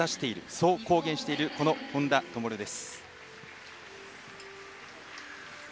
そう公言している本多灯です。